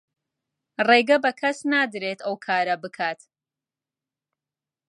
ڕێگە بە کەس نادرێت ئەو کارە بکات.